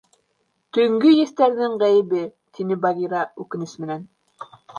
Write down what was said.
— Төнгө еҫтәрҙең ғәйебе, — тине Багира үкенес менән.